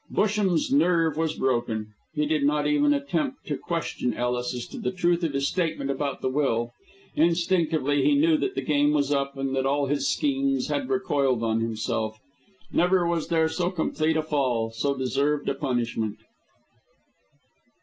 Busham's nerve was broken. He did not even attempt to question Ellis as to the truth of his statement about the will. Instinctively he knew that the game was up, and that all his schemes had recoiled on himself. Never was there so complete a fall, so deserved a punishment.